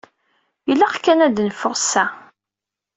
Ilaq-aɣ kan ad d-neffeɣ sa.